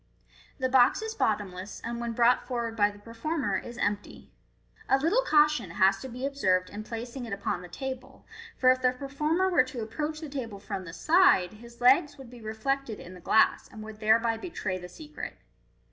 The box is bottomless, and when brought forward by the performer is empty. A little caution has to be observed in placing it upon the table, for, if the performer were to approach the table from the side, his legs would be reflected in the glass, and would thereby betray the secret.